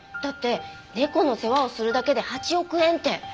だって猫の世話をするだけで８億円って。